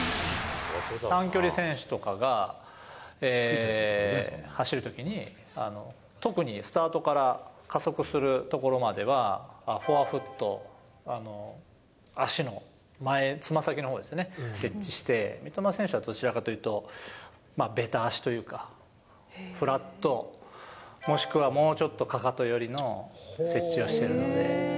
短距離選手とかが走るときに、特にスタートから加速するところまでは、フォアフット、足の前、つま先のほうですね、接地して、三笘選手はどちらかというと、べた足というか、フラット、もしくはもうちょっとかかと寄りの接地をしてるので。